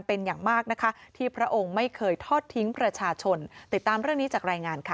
เป็นอย่างมากนะคะที่พระองค์ไม่เคยทอดทิ้งประชาชนติดตามเรื่องนี้จากรายงานค่ะ